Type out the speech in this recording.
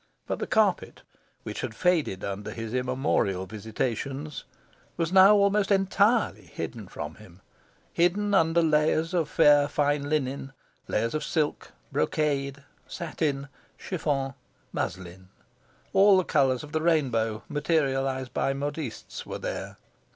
But the carpet, which had faded under his immemorial visitations, was now almost ENTIRELY hidden from him, hidden under layers of fair fine linen, layers of silk, brocade, satin, chiffon, muslin. All the colours of the rainbow, materialised by modistes, were there.